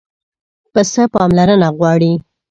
پسه پاملرنه غواړي.